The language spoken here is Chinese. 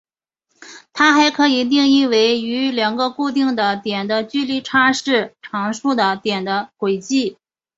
它还可以定义为与两个固定的点的距离差是常数的点的轨迹。